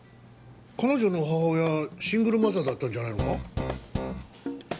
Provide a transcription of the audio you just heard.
彼女の母親はシングルマザーだったんじゃないのか？